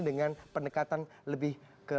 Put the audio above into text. dengan pendekatan lebih